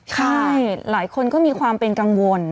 ใช่หลายคนก็มีความเป็นกังวล